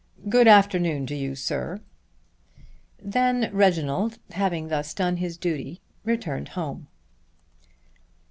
Good afternoon to you, sir." Then Reginald having thus done his duty returned home.